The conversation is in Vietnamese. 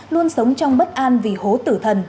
luôn sống trong bất an vì hố tử thần